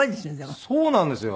そうなんですよ。